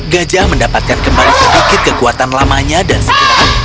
gajah mendapatkan kembali sedikit kekuatan lamanya dan sekarang